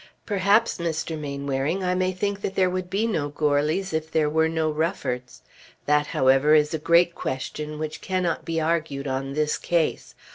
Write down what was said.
"Perhaps, Mr. Mainwaring, I may think that there would be no Goarlys if there were no Ruffords. That, however, is a great question which cannot be argued on this case.